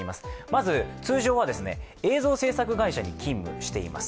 まず通常は、映像制作会社に勤務しています。